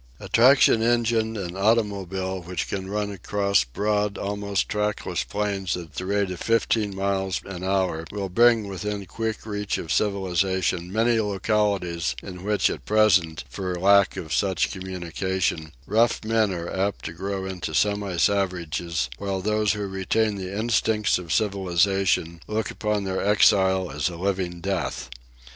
A traction engine and automobile which can run across broad, almost trackless plains at the rate of fifteen miles an hour will bring within quick reach of civilisation many localities in which at present, for lack of such communication, rough men are apt to grow into semi savages, while those who retain the instincts of civilisation look upon their exile as a living death.